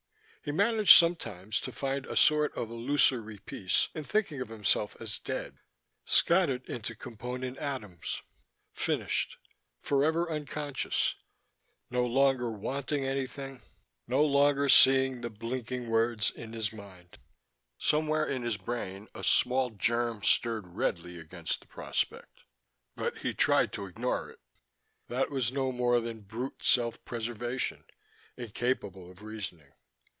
He managed sometimes to find a sort of illusory peace in thinking of himself as dead, scattered into component atoms, finished, forever unconscious, no longer wanting anything, no longer seeing the blinking words in his mind. Somewhere in his brain a small germ stirred redly against the prospect, but he tried to ignore it: that was no more than brute self preservation, incapable of reasoning.